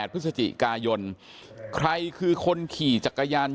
พฤศจิกายนใครคือคนขี่จักรยาน